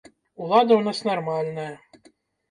Улада ў нас нармальная.